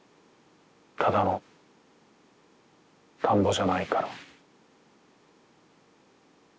ただの田んぼじゃないから。